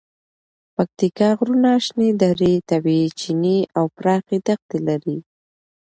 پکتیکا غرونه، شنې درې، طبیعي چینې او پراخې دښتې لري.